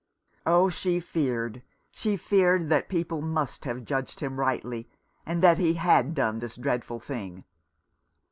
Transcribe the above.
Oh, she feared, she feared that people must have judged him rightly, and that he had done this dreadful thing.